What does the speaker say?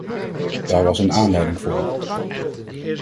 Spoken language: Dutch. Daar was een aanleiding voor.